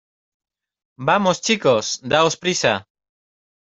¡ vamos, chicos! ¡ daos prisa !